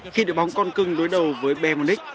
khi được bóng con cưng đối đầu với bayern munich